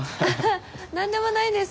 何でもないんです。